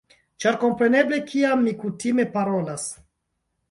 Ĉar kompreneble kiam mi kutime parolas